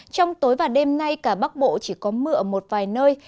trong tối và đêm nay cả bắc bộ chỉ có mưa ở một vài nơi